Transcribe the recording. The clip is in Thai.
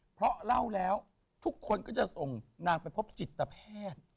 เพราะเล่าแล้วทุกคนก็จะส่งนางไปพบจิตแพทย์